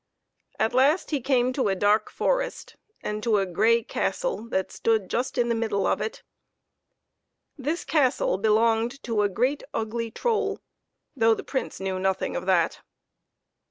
At last he came to a dark forest, and to a gray cas tle that stood just in the middle of it. This castle belonged to a great, ugly troll, though the Prince knew nothing of that.